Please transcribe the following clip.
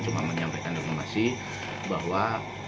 cuma menyampaikan informasi bahwa